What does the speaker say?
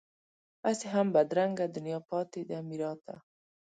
هسې هم بدرنګه دنیا پاتې ده میراته